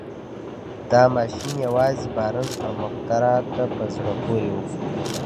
دا ماشين يوازې بارنس او مخترع ته په زړه پورې و.